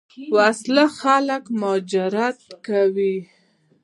وسله خلک مهاجر کوي